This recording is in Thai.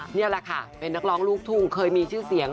นี่แหละค่ะเป็นนักร้องลูกทุ่งเคยมีชื่อเสียง